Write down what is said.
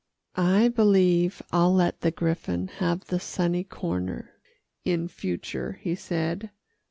"I believe I'll let the griffon have the sunny corner in future," he said.